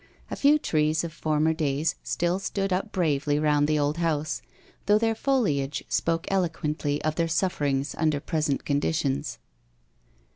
A few trees of former days still stood up bravely round the old house, though their foliage spoke eloquently of their sufferings under present conditions.